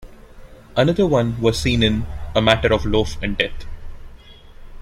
Another one was seen in "A Matter of Loaf and Death".